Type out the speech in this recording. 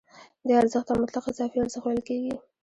دې ارزښت ته مطلق اضافي ارزښت ویل کېږي